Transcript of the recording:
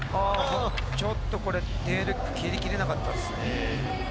ちょっとこれテール決めきれなかったですね。